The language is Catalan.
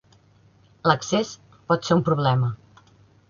L'accés pot ser un problema.